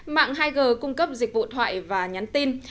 mạng hai g cung cấp dịch vụ thoại và nhắn tin